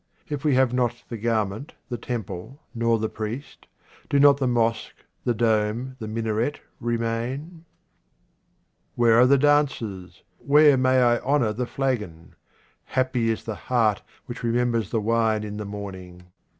If we have not the garment, the temple, nor the priest, do not the mosque, the dome, the minaret remain ? WHERE are the dancers? Where may I honour the flagon ? Happy is the heart which re members the wine in the morning.